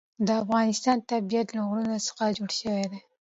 د افغانستان طبیعت له غرونه څخه جوړ شوی دی.